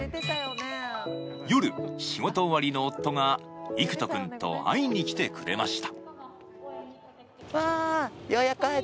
夜、仕事終わりの夫が行土君と会いに来てくれました。